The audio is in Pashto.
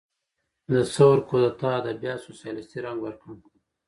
د ثور کودتا ادبیات سوسیالیستي رنګ ورکړ.